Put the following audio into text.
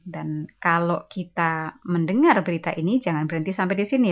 dan kalau kita mendengar berita ini jangan berhenti sampai di sini